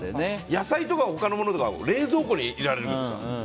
野菜とか他のものは冷蔵庫に入れられるんですけど。